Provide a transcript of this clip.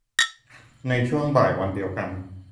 ในช่วงบ่ายวันเดียวกัน